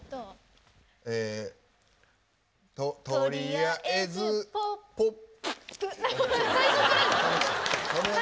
「とりあえずポッ」